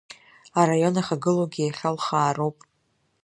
Араион иахагылоугьы иахьа лхаа роуп.